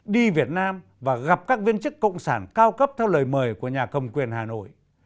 đi việt nam và gặp các viên chức cộng sản cao cấp theo lời mời của nhà cầm quyền hà nội